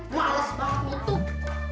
males banget muntuh